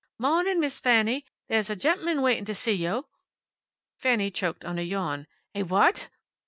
"Mawnin', Miss Fanny. There's a gep'mun waitin' to see yo'." Fanny choked on a yawn. "A what!"